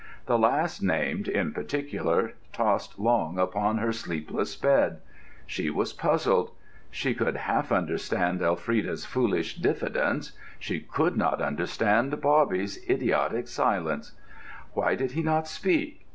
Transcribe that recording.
The last named, in particular, tossed long upon her sleepless bed. She was puzzled. She could half understand Elfrida's foolish diffidence: she could not understand Bobby's idiotic silence. Why did he not speak?